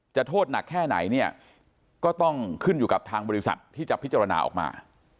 โทษหนักแค่ไหนเนี่ยก็ต้องขึ้นอยู่กับทางบริษัทที่จะพิจารณาออกมา